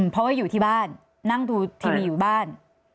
เพราะว่าอยู่ที่บ้านนั่งดูทีวีอยู่บ้าน